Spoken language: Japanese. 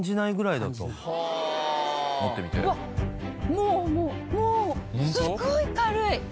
もうもうもうすごい軽い！